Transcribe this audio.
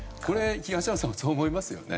東山さんもそう思いますよね。